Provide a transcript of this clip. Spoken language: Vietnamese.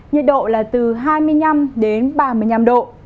nhiệt độ là từ hai mươi năm đến ba mươi năm độ